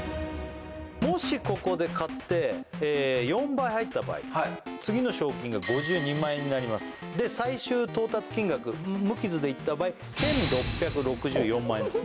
もしここで勝って４倍入った場合次の賞金が５２万円になりますで最終到達金額無傷でいった場合１６６４万円です